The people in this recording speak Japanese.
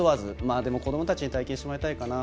でも、子どもたちに体験してもらいたいかな。